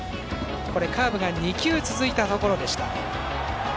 カーブが２球続いたところでした。